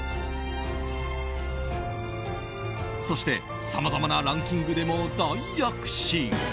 そしてさまざまなランキングでも大躍進。